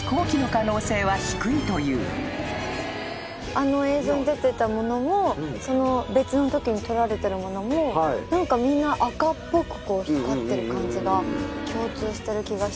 あの映像に出てたものも別のときに撮られてるものもみんな赤っぽく光ってる感じが共通してる気がして。